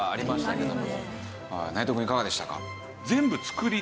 内藤くんいかがでしたか？